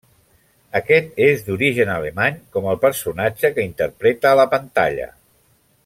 Aquest és d'origen alemany, com el personatge que interpreta a la pantalla.